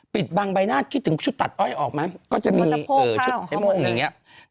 ปิดบังใบหน้าคิดถึงชุดตัดอ้อยออกไหมก็จะมีชุดไอ้ม่วงอย่างนี้